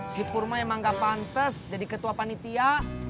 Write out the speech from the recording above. si purma emang gak pantas jadi ketua panitia